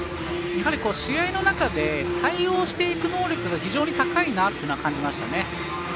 やはり試合の中で対応していく能力が非常に高いなというのは感じましたね。